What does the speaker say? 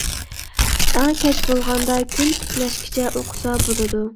ئەڭ كەچ بولغاندا كۈن تىكلەشكىچە ئوقۇسا بولىدۇ.